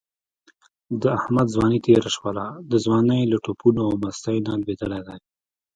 د احمد ځواني تېره شوله، د ځوانۍ له ټوپونو او مستۍ نه لوېدلی دی.